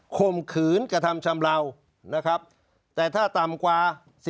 ข่มขืนกระทำชำเลานะครับแต่ถ้าต่ำกว่า